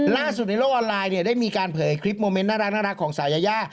ล่าสุดในโลกออนไลน์ได้มีการเผยคลิปโมเมนต์น่ารักของสายายา